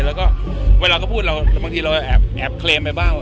แล้วก็แบบคือเราบางทีแอบครมไปบ้าง